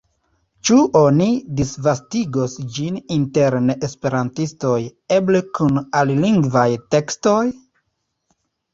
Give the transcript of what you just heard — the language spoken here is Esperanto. Ĉu oni disvastigos ĝin inter neesperantistoj, eble kun alilingvaj tekstoj?